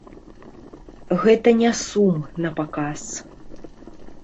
Гэта не сум напаказ.